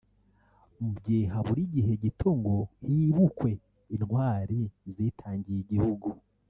Mu gihe habura igihe gito ngo hibukwe intwari zitangiye igihugu